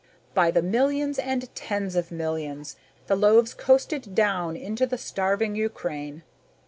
By the millions and tens of millions, the loaves coasted down into the starving Ukraine.